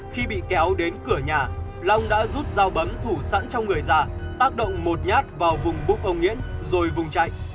khi bị kéo đến cửa nhà lòng đã rút dao bấm thủ sẵn trong người già tác động một nhát vào vùng búp ông nghĩễn rồi vùng chạy